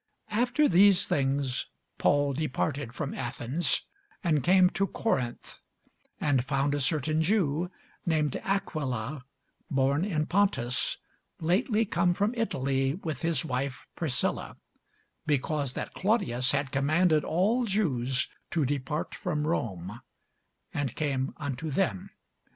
After these things Paul departed from Athens, and came to Corinth; and found a certain Jew named Aquila, born in Pontus, lately come from Italy, with his wife Priscilla; (because that Claudius had commanded all Jews to depart from Rome:) and came unto them.